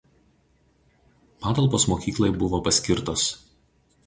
Patalpos mokyklai buvo paskirtos.